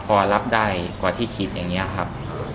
พอรับได้กว่าที่คิดอย่างนี้ครับ